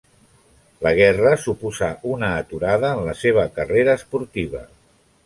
La Guerra suposà una aturada en la seva carrera esportiva.